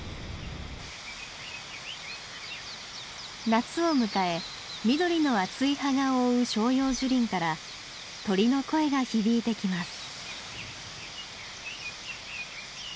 夏を迎え緑の厚い葉が覆う照葉樹林から鳥の声が響いてきます。